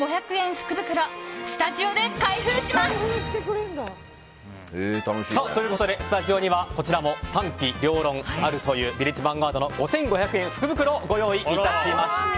福袋スタジオで開封します！ということでスタジオにはこちらの賛否両論あるというヴィレッジヴァンガードの５５００円福袋をご用意致しました。